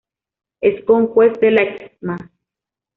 Es conjuez de la Excma.